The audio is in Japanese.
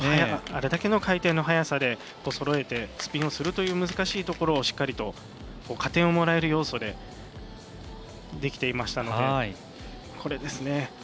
あれだけの回転の速さでそろえてスピンをするという難しいところをしっかりと加点をもらえる要素でできていましたので。